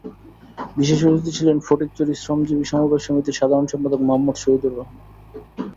বিশেষ অতিথি ছিলেন ফটিকছড়ি শ্রমজীবী সমবায় সমিতির সাধারণ সম্পাদক মোহাম্মদ শহিদুর রহমান।